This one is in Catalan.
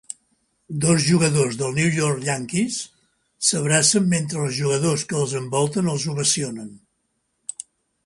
Dos jugadors dels New York Yankees s'abracen mentre els jugadors que els envolten els ovacionen.